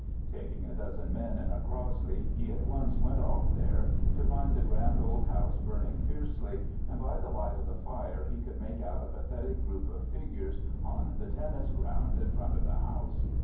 Taking a dozen men in a Crossley, he at once went off there, to find the grand old house burning fiercely, and by the light of the fire he could make out a pathetic group of figures on the tennis ground in front of the house.